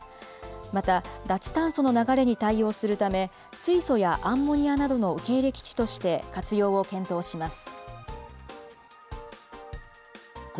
また、脱炭素の流れに対応するため、水素やアンモニアなどの受け入れ基地として活用を検討します。